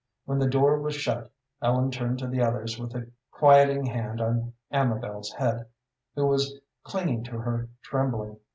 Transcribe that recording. When the door was shut, Ellen turned to the others, with a quieting hand on Amabel's head, who was clinging to her, trembling.